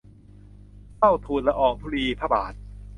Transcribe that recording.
เฝ้าทูลละอองธุลีพระบาท